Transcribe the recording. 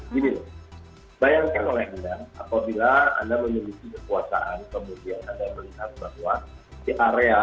gini bayangkan oleh anda apabila anda menyelidiki kekuasaan kemudian anda melihat beruang di area atau di sebelah